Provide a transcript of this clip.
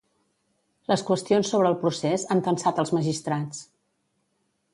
Les qüestions sobre el procés han tensat els magistrats.